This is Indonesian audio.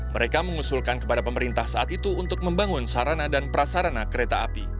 mereka mengusulkan kepada pemerintah saat itu untuk membangun sarana dan prasarana kereta api